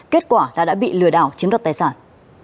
kết quả là đã bị lừa đảo chiếm đoạt tài sản